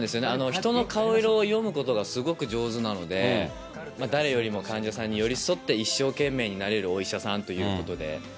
人の顔色を読むことがすごく上手なので、誰よりも患者さんに寄り添って一生懸命になれるお医者さんということで。